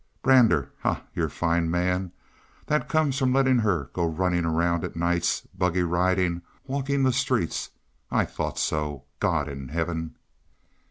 Brander! Ha! Your fine man! That comes of letting her go running around at nights, buggy riding, walking the streets. I thought so. God in heaven!